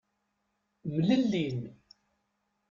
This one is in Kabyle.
Mlellin.